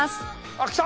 あっきた！